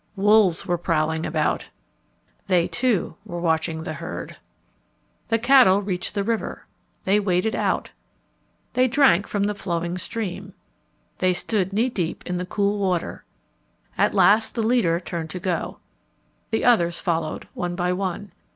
Wolves were prowling about. They, too, were watching the herd. [Illustration: "They drank from the flowing stream"] The cattle reached the river. They waded out. They drank from the flowing stream. They stood knee deep in the cool water. At last the leader turned to go. The others followed one by one.